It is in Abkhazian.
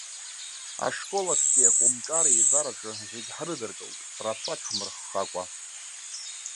Ашкол аҿтәи акомҿар еизараҿы зегьы ҳрыдыркылт, рацәак ҳмырххакәа.